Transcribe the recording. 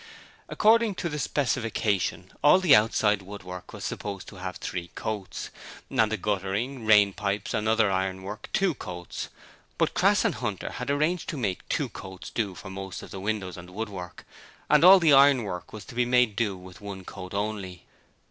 According to the specification, all the outside woodwork was supposed to have three coats, and the guttering, rain pipes and other ironwork two coats, but Crass and Hunter had arranged to make two coats do for most of the windows and woodwork, and all the ironwork was to be made to do with one coat only.